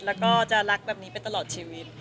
แล้วก็จะรักแบบนี้ไปตลอดชีวิต